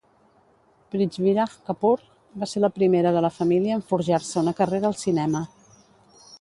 Prithviraj Kapoor va ser la primera de la família en forjar-se una carrera al cinema.